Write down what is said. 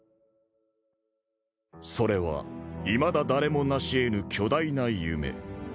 自斎：それはいまだ誰も成し得ぬ巨大な夢。